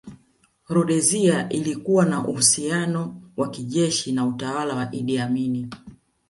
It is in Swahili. Rhodesia ilikuwa na uhusiano wa kijeshi na utawala wa Idi Amin